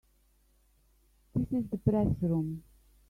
This is the Press Room.